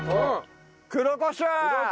黒コショウ。